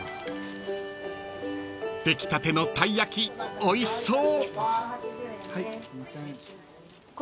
［出来たての鯛焼おいしそう］